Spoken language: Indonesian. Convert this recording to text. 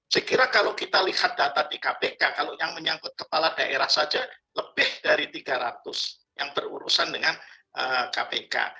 saya kira kalau kita lihat data di kpk kalau yang menyangkut kepala daerah saja lebih dari tiga ratus yang berurusan dengan kpk